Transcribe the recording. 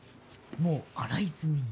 もう洗い済みぃ